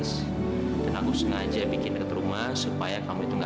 sekarang enak banget itu ada yang bantuin